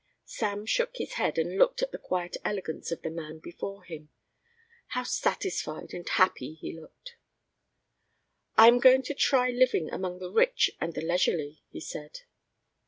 Sam shook his head and looked at the quiet elegance of the man before him. How satisfied and happy he looked. "I am going to try living among the rich and the leisurely," he said.